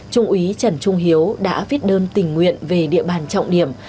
trung úy trần trung hiếu đã viết đơn tình nguyện về địa bàn trọng điểm